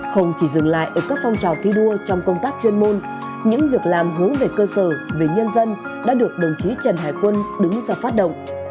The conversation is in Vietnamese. không chỉ dừng lại ở các phong trào thi đua trong công tác chuyên môn những việc làm hướng về cơ sở về nhân dân đã được đồng chí trần hải quân đứng ra phát động